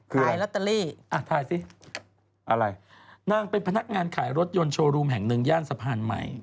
คืออะไรอ่ะถ่ายสินั่งเป็นพนักงานขายรถยนต์โชว์รูมแห่งหนึ่งย่านสะพานใหม่